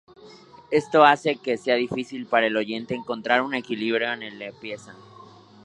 Esto hace que sea difícil para el oyente encontrar un equilibrio en la pieza.